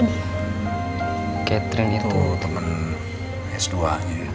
jangan corre buat duitannya la